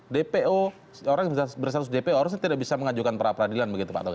dpo orang yang bersatu dpo harusnya tidak bisa mengajukan prapradilan begitu pak togar